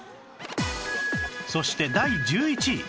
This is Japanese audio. そして第１１位